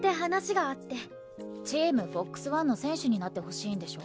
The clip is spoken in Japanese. ＴｅａｍＦＯＸＯＮＥの選手になってほしいんでしょ。